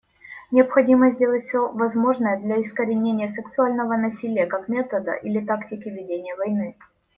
Необходимо сделать все возможное для искоренения сексуального насилия как метода или тактики ведения войны.